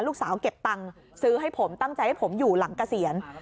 เก็บตังค์ซื้อให้ผมตั้งใจให้ผมอยู่หลังเกษียณ